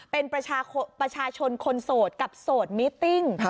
เป็นประชาชนคนโสดกับโสดมิติ้ง